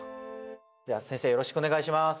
では先生よろしくお願いします！